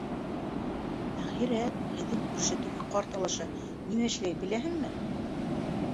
Әхирәт... һеҙҙең күрше, теге ҡарт алаша, нимә эшләй, беләһеңме?